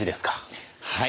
はい。